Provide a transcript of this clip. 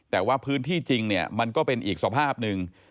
แต่ว่าพื้นที่จริงเนี่ยมันก็เป็นอีกสภาพหนึ่ง